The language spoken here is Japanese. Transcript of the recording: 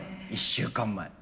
１週間前。